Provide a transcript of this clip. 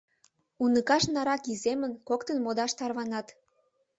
Уныкаж нарак иземын, коктын модаш тарванат.